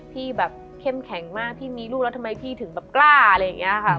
พี่แบบเข้มแข็งมากพี่มีลูกแล้วทำไมพี่ถึงแบบกล้าอะไรอย่างนี้ค่ะ